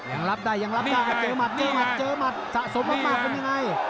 ยังรับได้ยังรับได้เจอหัดเจอหมัดเจอหมัดสะสมมากเป็นยังไง